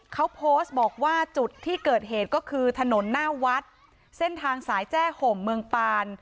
เขาโพสต์บอกว่าจุดที่เกิดเหตุก็คือถนนหน้าวัดเส้นทางสายแจ้ห่มเมืองปาน